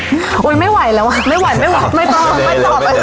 โวนไม่ไหวแล้วไม่ว่าไม่ต้องมันตอบไปต่อ